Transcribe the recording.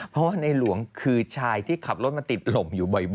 เพราะว่าในหลวงคือชายที่ขับรถมาติดลมอยู่บ่อย